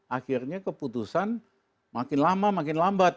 akhirnya keputusan makin lama makin lambat